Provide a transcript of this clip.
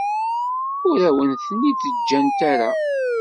Ur awen-ten-id-ǧǧant ara.